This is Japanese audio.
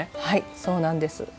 はいそうなんです。